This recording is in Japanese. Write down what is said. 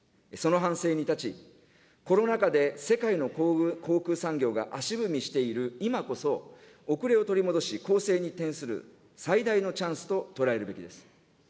その反省に立ち、コロナ禍で世界の航空産業が足踏みしている今こそ、遅れを取り戻し、攻勢に転する最大のチャンスととらえるべきです。